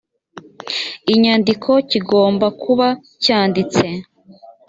inyandiko kigomba kuba cyanditse